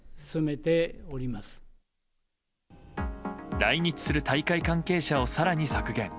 来日する大会関係者を更に削減。